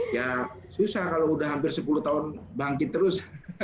ya susah kalau udah hampir sepuluh tahun bangkit terus